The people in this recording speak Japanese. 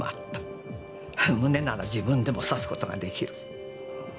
胸なら自分でも刺す事が出来る。